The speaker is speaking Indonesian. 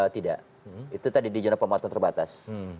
tidak itu tadi di zona pemotongan terbatas